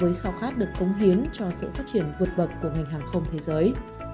với khao khát được cống hiến cho sự phát triển vượt bậc của ngành hàng không thế giới